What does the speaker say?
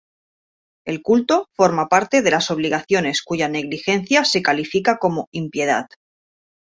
El culto forma parte de las obligaciones cuya negligencia se califica como impiedad.